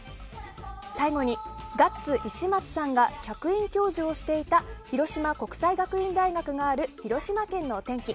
最後にガッツ石松さんが客員教授をしていた広島国際学院大学がある広島県のお天気。